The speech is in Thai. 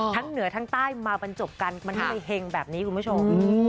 ทั้งเหนือทางใต้มาบรรจบกันมันให้ไปแห่งแบบนี้คุณผู้ชม